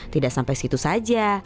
tidak sampai situ saja